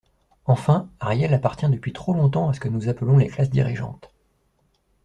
Enfin, Ariel appartient depuis trop longtemps à ce que nous appelons les classes dirigeantes.